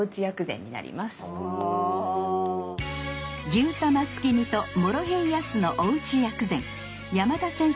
「牛卵すき煮」と「モロヘイヤ酢」のおうち薬膳山田先生考案！